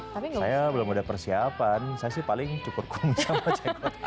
saya belum ada persiapan saya sih paling cukur kung sama cengkot aja